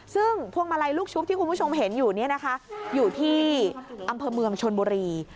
ซึ่งพวงมาลัยลูกชุบที่คุณผู้ชมเห็นอยู่เนี่ยนะคะอยู่ที่อำเภอเมืองชนบุรี